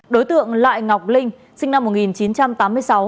đối tượng lại ngọc linh sinh năm một nghìn chín trăm tám mươi sáu